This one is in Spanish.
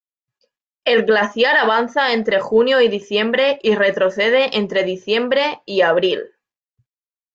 El glaciar avanza entre junio y diciembre y retrocede entre diciembre y abril.